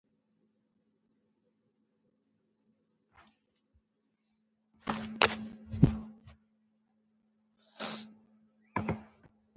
بنګړیواله یاسمین نومېږي.